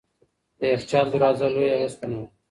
د یخچال دروازه لویه او سپینه وه.